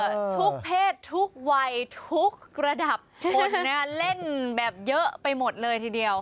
ทุกเพศทุกวัยทุกระดับคนเนี่ยเล่นแบบเยอะไปหมดเลยทีเดียว